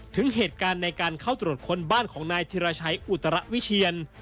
ถึงเหตุการณ์ในการเข้าตรวจค้นบ้านของนายธิรชัยอุตระวิเชียน